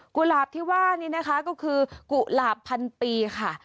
หลาบที่ว่านี่นะคะก็คือกุหลาบพันปีค่ะ